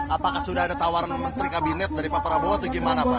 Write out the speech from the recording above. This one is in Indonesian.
apakah sudah ada tawaran menteri kabinet dari pak prabowo atau gimana pak